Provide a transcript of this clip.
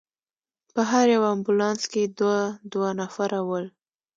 په هر یو امبولانس کې دوه دوه نفره ول.